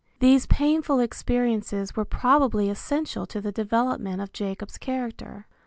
These painful experiences were probably essential to the development of Jacob's character.